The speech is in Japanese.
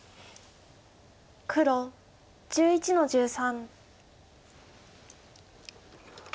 黒１１の十三。